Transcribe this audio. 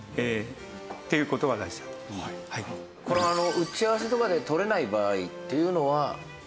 打ち合わせとかで取れない場合っていうのは。